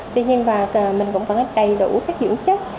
tuy nhiên và mình cũng vẫn đầy đủ các dưỡng chất